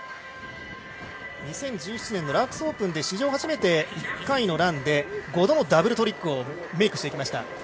２０１７年のＬａａｘＯｐｅｎで史上初めて１回のランで５度のダブルトリックをしてきました。